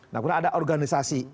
nah karena ada organisasi